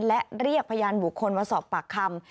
และเรียกพยานบุคคลมาสอบปากคำ